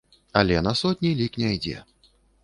Але на сотні лік не ідзе.